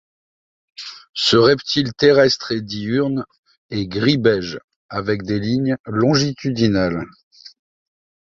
Ce reptile terrestre et diurne est gris-beige, avec des lignes longitudinales.